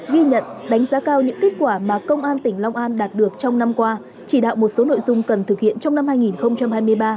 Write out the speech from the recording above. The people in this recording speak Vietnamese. ghi nhận đánh giá cao những kết quả mà công an tỉnh long an đạt được trong năm qua chỉ đạo một số nội dung cần thực hiện trong năm hai nghìn hai mươi ba